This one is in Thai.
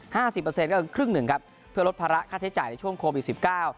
ห้าสิบเปอร์เซ็นก็คือครึ่งหนึ่งครับเพื่อลดภาระค่าใช้จ่ายในช่วงโควิดสิบเก้า